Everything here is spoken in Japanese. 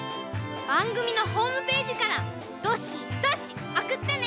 ばんぐみのホームページからドシドシおくってね！